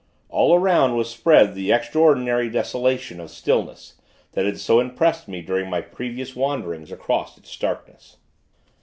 All around, was spread the extraordinary desolation of stillness, that had so impressed me during my previous wanderings across its starkness.